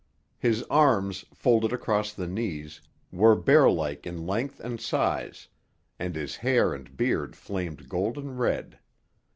His arms, folded across the knees, were bear like in length and size, and his hair and beard flamed golden red.